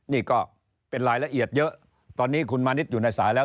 นี่ก็เป็นรายละเอียดเยอะตอนนี้คุณมานิดอยู่ในสายแล้ว